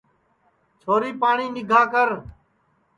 چھوری پاٹؔی نیم گرم کر